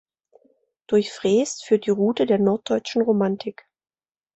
Durch Freest führt die Route der Norddeutschen Romantik.